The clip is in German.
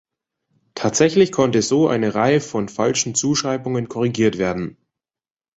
Tatsächlich konnte so eine Reihe von falschen Zuschreibungen korrigiert werden.